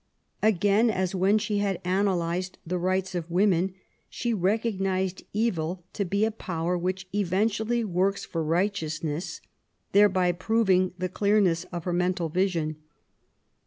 Again, as when she had analyzed the rights of women, she recog nized evil to be a power which eventually works for righteousness, thereby proving the clearness of her mental vision.